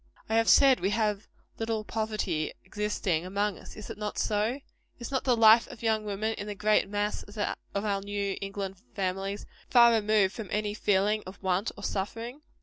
I have said we have little poverty existing among us. Is it not so? Is not the life of young women in the great mass of our New England families, very far removed from any feeling of want or suffering?